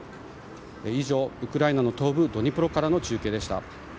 以上、ウクライナ東部ドニプロからでした。